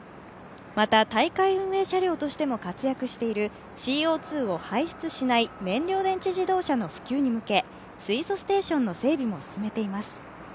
また大会運営車両としても活躍しているＣＯ２を排出しない、燃料電池自動車の普及に向け水素ステーションの整備も進めています。